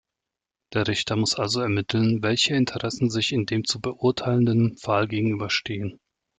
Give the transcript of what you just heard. Der Richter muss also ermitteln, welche Interessen sich in dem zu beurteilenden Fall gegenüberstehen.